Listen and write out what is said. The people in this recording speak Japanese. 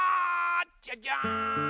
じゃじゃん！